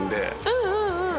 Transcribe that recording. うんうんうん！